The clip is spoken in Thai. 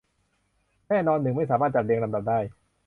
แน่นอน หนึ่งไม่สามารถจัดเรียงลำดับได้